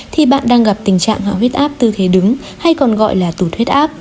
thì bạn đang gặp tình trạng họ huyết áp tư thế đứng hay còn gọi là tụt huyết áp